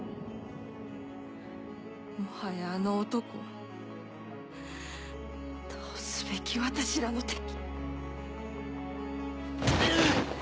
もはやあの男は倒すべき私らの敵！